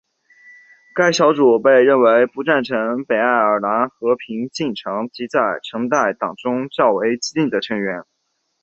该小组被认为不赞成北爱尔兰和平进程及在橙带党中较为激进的成员。